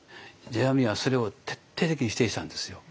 世阿弥はそれを徹底的に否定したんですよ。